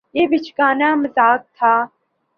یہ بچگانہ مذاق تھا